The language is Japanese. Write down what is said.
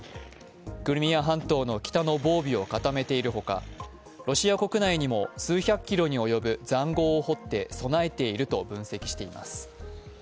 クリミア半島の北の防備を固めているほかロシア国内にも数百キロに及ぶざんごうを掘って備えていると分析しています。